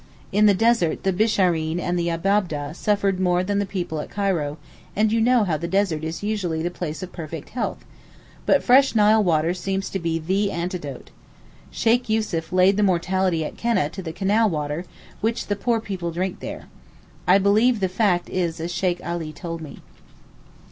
In the desert the Bishareen and Abab'deh suffered more than the people at Cairo, and you know the desert is usually the place of perfect health; but fresh Nile water seems to be the antidote. Sheykh Yussuf laid the mortality at Keneh to the canal water, which the poor people drink there. I believe the fact is as Sheykh Alee told me.